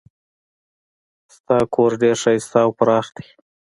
د تا کور ډېر ښایسته او پراخ ده